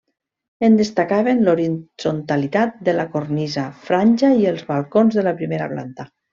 En destacaven l'horitzontalitat de la cornisa, franja i els balcons de la primera planta.